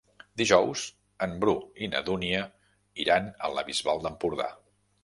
Dijous en Bru i na Dúnia iran a la Bisbal d'Empordà.